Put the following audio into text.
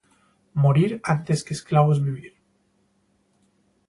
¡morir antes que esclavos vivir!